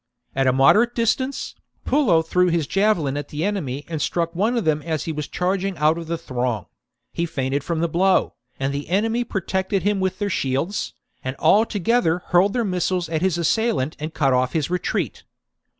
At a moderate distance, Pullo threw his javelin at the enemy and struck one of them as he was charging out of the throng : he fainted from the blow, and the enemy protected him with their shields, and all together hurled their missiles at his assailant and cut off his retreat.